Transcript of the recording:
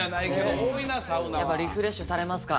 やっぱリフレッシュされますか？